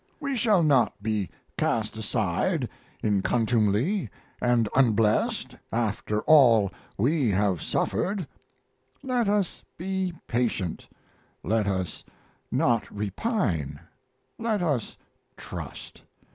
We shall not be cast aside in contumely and unblest after all we have suffered. Let us be patient, let us not repine, let us trust.